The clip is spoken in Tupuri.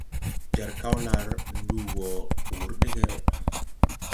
Jar Kaolar nduu wɔɔ wur degɛrɛ.